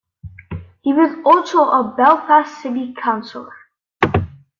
He was also a Belfast City Councillor.